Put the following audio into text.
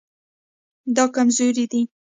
دا کمزوری دی